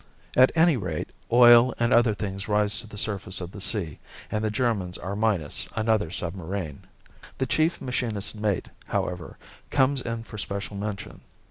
At any rate, oil and other things rise to the surface of the sea, and the Germans are minus another submarine. The chief machinist's mate, however, comes in for special mention.